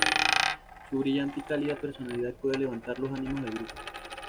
Su brillante y cálida personalidad puede levantar los ánimos del grupo.